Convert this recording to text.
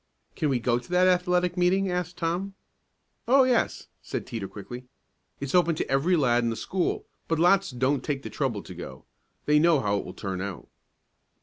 "Can we go to that athletic meeting?" asked Tom. "Oh, yes," said Teeter quickly. "It's open to every lad in the school, but lots don't take the trouble to go, they know how it will turn out."